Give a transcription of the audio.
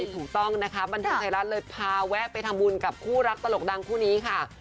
ถูกต้องนะคะบันเทิงไทยรัฐเลยพาแวะไปทำบุญกับคู่รักตลกดังคู่นี้ค่ะ